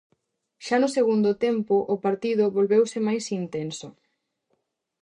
Xa no segundo tempo o partido volveuse máis intenso.